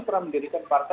pernah mendirikan partai